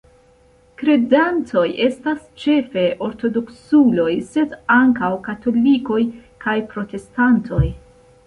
Kredantoj estas ĉefe ortodoksuloj, sed ankaŭ katolikoj kaj protestantoj.